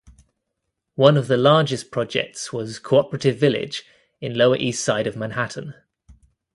One of the largest projects was Cooperative Village in Lower East Side of Manhattan.